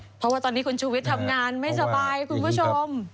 เพราะว่าตอนนี้คุณชูวิทย์ทำงานไม่สบายคุณผู้ชม